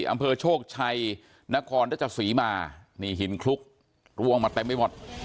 อำเภอโชคชัยนครรัชศรีมานี่หินคลุกร่วงมาเต็มไปหมด